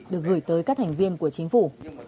được gửi tới các thành viên của chính phủ